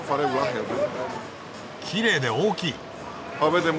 きれいで大きい。